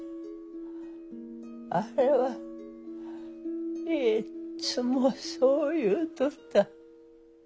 あれはいっつもそう言うとった。